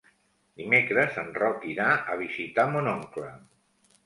Dimecres en Roc irà a visitar mon oncle.